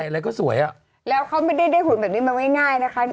แล้วเขาไม่ได้เหลือหุ่นแบบนี้มันไม่ง่ายนะคะ